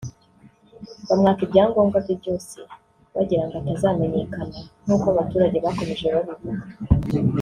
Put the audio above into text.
bamwaka ibyangombwa bye byose bagira ngo atazamenyekana nk’uko abaturage bakomeje babivuga